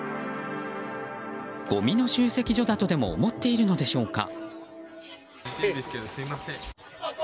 ごみの集積場だとでも思っているのでしょうか。